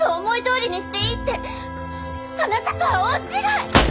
あなたとは大違い！